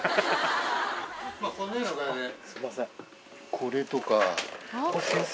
これとか。